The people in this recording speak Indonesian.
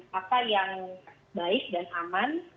dan apa yang baik dan aman